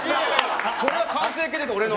これが完成形です、俺の。